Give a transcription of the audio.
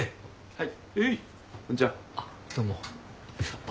はい。